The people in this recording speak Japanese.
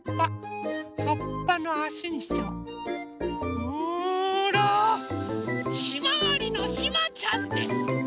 ほらひまわりのひまちゃんです！